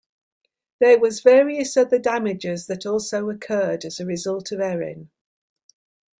There was various other damages that also occurred as a result of Erin.